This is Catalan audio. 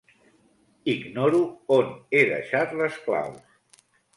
Ignoro on he deixat les claus.